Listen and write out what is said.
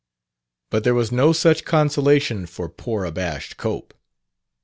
But there was no such consolation for poor abashed Cope.